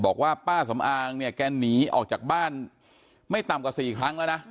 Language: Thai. บอกว่าป้าสำอางเนี่ยแกหนีออกจากบ้านไม่ต่ำกว่า๔ครั้งแล้วนะ